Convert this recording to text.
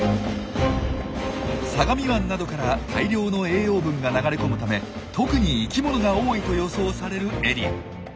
相模湾などから大量の栄養分が流れ込むため特に生きものが多いと予想されるエリア。